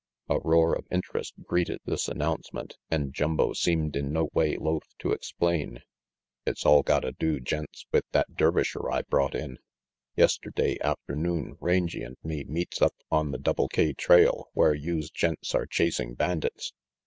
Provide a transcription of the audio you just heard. A roar of interest greeted this announcement and Jumbo seemed in no way loath to explain. "It's all gotta do, gents, with that Dervisher I brought in. Yesterday afternoon Rangy and me 188 RANGY PETE meets up on the Double K trail while youse gents are chasing bandits.